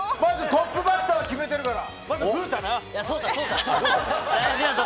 トップバッター決めてるから！